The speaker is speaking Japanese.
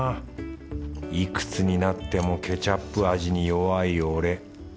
いくつになってもケチャップ味に弱い俺。